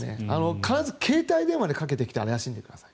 必ず携帯電話にかけてきたら怪しんでください。